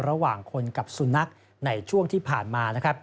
ระหว่างคนกับสุนัขในช่วงที่ผ่านมานะครับ